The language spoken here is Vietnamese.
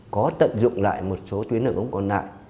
có tận dụng lại một số tuyến đường ống còn lại